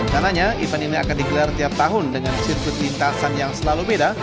karenanya event ini akan digelar tiap tahun dengan sirkuit lintasan yang selalu beda